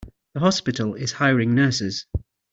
The hospital is hiring nurses.